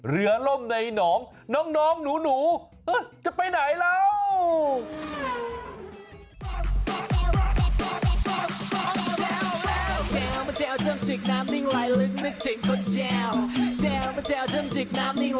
ล่มในหนองน้องหนูจะไปไหนแล้ว